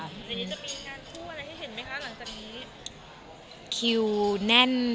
อเรนนี่จะมีงานคู่อะไรให้เห็นไหมคะหลังจากนี้